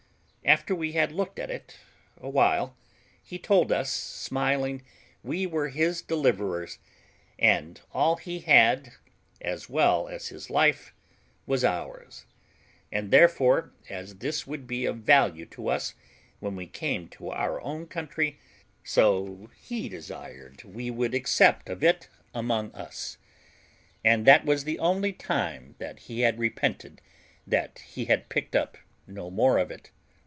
After we had looked at it a while, he told us, smiling, we were his deliverers, and all he had, as well as his life, was ours; and therefore, as this would be of value to us when we came to our own country, so he desired we would accept of it among us; and that was the only time that he had repented that he had picked up no more of it.